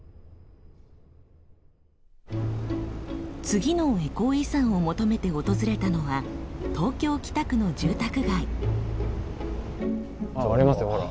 次のエコー遺産を求めて訪れたのは東京・北区の住宅街。ありますよほら。